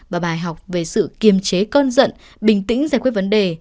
và bài học về sự kiềm chế cơn giận bình tĩnh giải quyết vấn đề